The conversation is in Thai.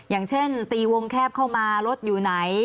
อย่างเช่นตีวงแคบเข้ามารถอยู่ไหน